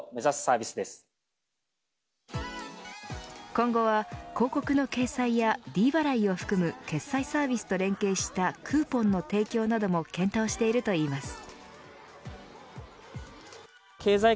今後は、広告の掲載やｄ払いを含め決済サービスと連携したクーポンの提供なども検討しているといいます。